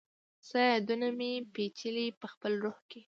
څه یادونه مي، پیچلي پخپل روح کي